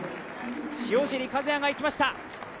塩尻和也がいきました。